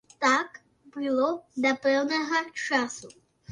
Так было да пэўнага часу.